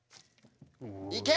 いけ！